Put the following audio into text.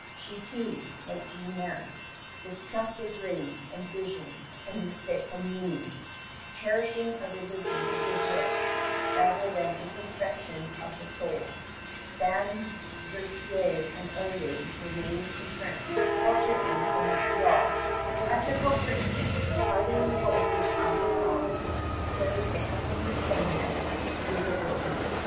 She too, like Jeanne Mance, distrusted dreams and visions and mystic communings, cherishing a religion of good works rather than introspection of the soul. Dauversière and Olier remained in France. Fortunately for Montreal, practical Christians, fighting soldiers of the cross, carried the heavenly standard to the wilderness.